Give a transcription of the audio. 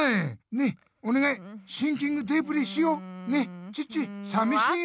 ねっおねがいシンキングデープリーしよう？ねチッチさみしいよ。